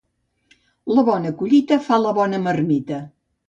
La bona collita fa la bona marmita.